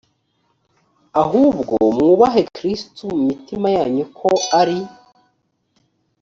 ahubwo mwubahe kristo mu mitima yanyu ko ari